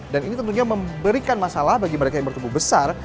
dan ini tentunya memberikan masalah bagi mereka yang bertubuh besar